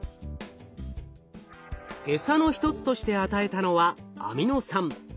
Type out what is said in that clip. エサの一つとして与えたのはアミノ酸。